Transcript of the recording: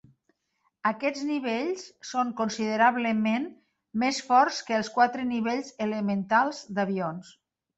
Aquests nivells són considerablement més forts que els quatre nivells elementals d'avions.